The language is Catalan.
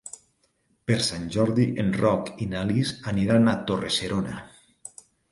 Per Sant Jordi en Roc i na Lis aniran a Torre-serona.